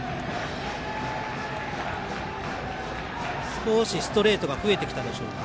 少しストレートが増えてきたでしょうか。